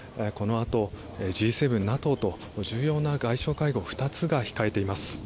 このあとＧ７、ＮＡＴＯと重要な外相会合２つが控えています。